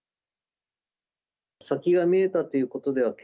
先が見えたということでは決